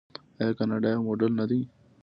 آیا کاناډا یو موډل نه دی؟